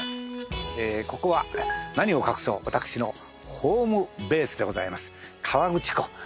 ここは何を隠そう私のホームベースでございます河口湖。